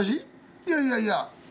いやいやいや。